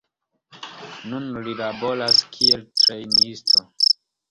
Nun li laboras kiel trejnisto.